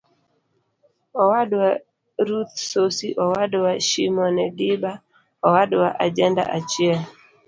Owadwa Ruth Sosi Owadwa Shimone Diba Owadwa Ajenda-achiel.